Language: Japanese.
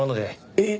えっ？